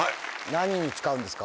何に使うんですか？